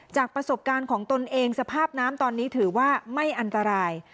จากประสบการณ์ของตนเองสภาพน้ำตอนนี้ถือว่าไม่อันตราย